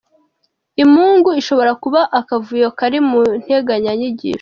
Imungu ishobora kuba akavuyo kari mu nteganyanyigisho .